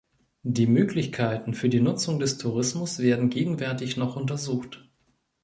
Die Möglichkeiten für die Nutzung des Tourismus werden gegenwärtig noch untersucht.